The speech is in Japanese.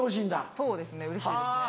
そうですねうれしいですね。